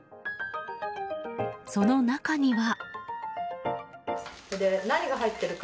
その中には。